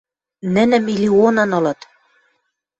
Нӹнӹ миллионын ылыт.